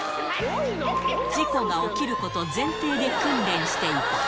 事故が起きること前提で訓練していた。